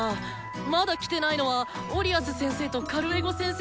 まだ来てないのはオリアス先生とカルエゴ先生とバラム先生！